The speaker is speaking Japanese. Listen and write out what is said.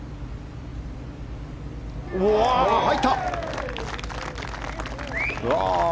入った！